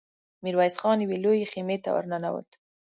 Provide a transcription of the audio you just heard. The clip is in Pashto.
ميرويس خان يوې لويې خيمې ته ور ننوت.